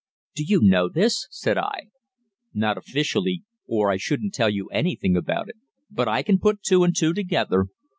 "'Do you know this?' said I. "'Not officially, or I shouldn't tell you anything about it. But I can put two and two together.